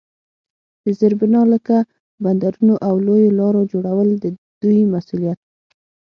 د زیربنا لکه بندرونو او لویو لارو جوړول د دوی مسوولیت وو.